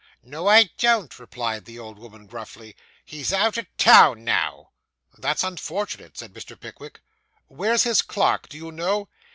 'No, I don't,' replied the old woman gruffly; 'he's out o' town now.' 'That's unfortunate,' said Mr. Pickwick; 'where's his clerk? Do you know?